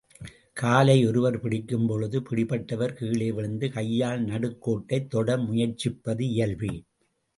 காலை ஒருவர் பிடிக்கும்பொழுது, பிடிபட்டவர் கீழே விழுந்து கையால் நடுக்கோட்டைத் தொட முயற்சிப்பது இயல்பே.